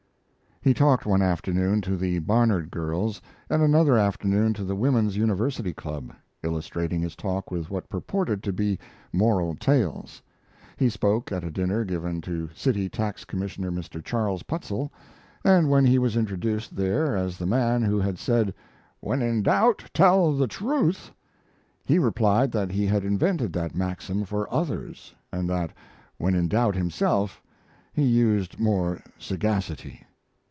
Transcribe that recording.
He talked one afternoon to the Barnard girls, and another afternoon to the Women's University Club, illustrating his talk with what purported to be moral tales. He spoke at a dinner given to City Tax Commissioner Mr. Charles Putzel; and when he was introduced there as the man who had said, "When in doubt tell the truth," he replied that he had invented that maxim for others, but that when in doubt himself, he used more sagacity.